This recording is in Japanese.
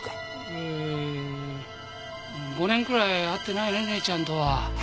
えー５年くらい会ってないね姉ちゃんとは。